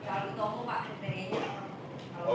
kalau di toko pak kriterianya